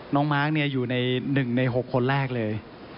น้องมาร์คเนี่ยอยู่ใน๑ใน๖คนแรกเลย